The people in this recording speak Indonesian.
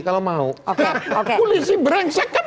kalau kita creator dandi bonf record